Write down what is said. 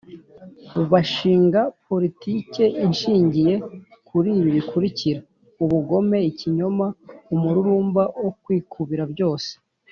bashinga politike ishingiye kur'ibi bikurikira: Ubugome, Ikinyoma, Umururumba wo Kwikubira byose,